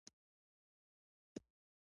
هایپرجي نومېږي.